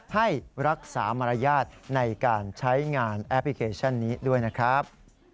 ให้รักษามารยาทในการใช้งานแอปพลิเคชันนี้ด้วยนะครับ